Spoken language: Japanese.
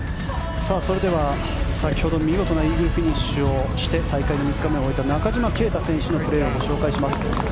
それでは先ほど見事なイーグルフィニッシュをして大会３日目を終えた中島啓太のプレーをご紹介します。